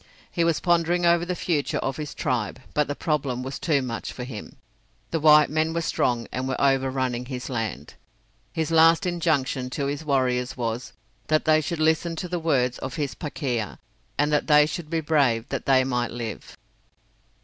He was pondering over the future of his tribe, but the problem was too much for him. The white men were strong and were overrunning his land. His last injunction to his warriors was, that they should listen to the words of his Pakeha, and that they should be brave that they might live.